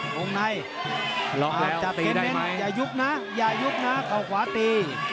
จับเทนเล่นอย่ายุบนะอย่ายุบนะก่อขวาตี